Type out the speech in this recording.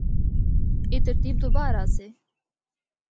اے ترتیب تو باہر آسے۔